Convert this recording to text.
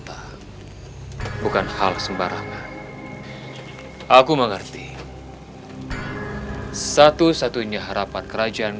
aduh sakit wak